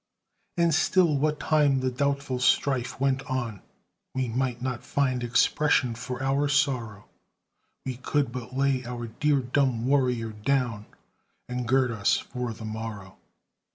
And still, what time the doubtful strife went on, We might not find expression for our sorrow; We could but lay our dear dumb warrior down, And gird us for the morrow.